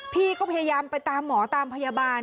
พี่ก็พยายามไปตามหมอตามพยาบาล